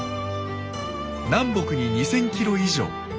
南北に２，０００ｋｍ以上。